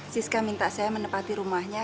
siska minta saya menepati rumahnya